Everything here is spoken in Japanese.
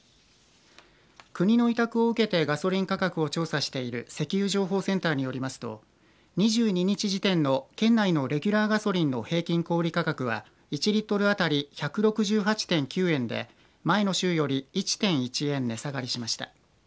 国の委託を受けてガソリン価格を調査している石油情報センターによりますと２２日時点の県内のレギュラーガソリンの平均小売価格は１リットル当たり１６８．９円で前の週より１．１円値下がりしました。